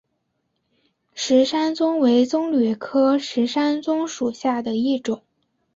石山棕为棕榈科石山棕属下的一个种。